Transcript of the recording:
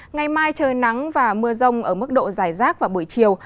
ngày mai trời nắng và mưa rông ở mức độ dài rác vào buổi chiều